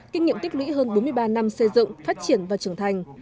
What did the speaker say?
kinh nghiệm tích lũy hơn bốn mươi ba năm xây dựng phát triển và trưởng thành